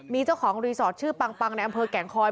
มีเจ้าของรีสอร์ทชื่อปังในอำเภอแก่งคอย